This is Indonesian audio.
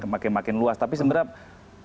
makin makin luas tapi sebenarnya